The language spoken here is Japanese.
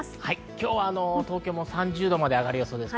今日は東京も３０度まで上がる予想です。